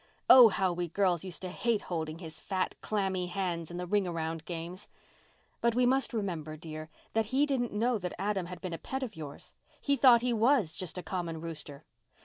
Oh, how we girls used to hate holding his fat, clammy hands in the ring around games. But we must remember, dear, that he didn't know that Adam had been a pet of yours. He thought he was just a common rooster.